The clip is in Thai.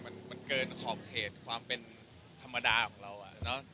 มันเกินขอบเขตความเป็นธรรมดาของเราอ่ะเนอะ